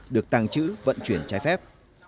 được tăng trữ vận chuyển trái phép